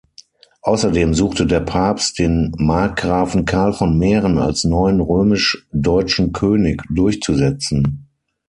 Außerdem suchte der Papst den Markgrafen Karl von Mähren als neuen römisch-deutschen König durchzusetzen.